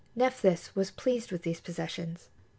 Nephthys was pleased with these possessions.